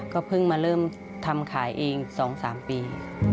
ก็เพิ่งมาเริ่มทำขายเอง๒๓ปี